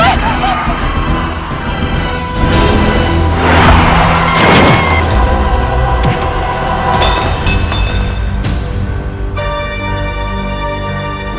semua karakter kamu